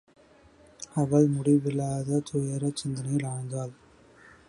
அவள் முடிவிலாத துயரச் சிந்தனையில் ஆழ்ந்தாள்.